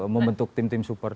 membentuk tim tim super